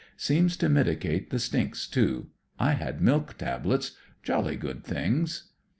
Seems to mitigate the stinks, too. I had miik tablets; jolly good things."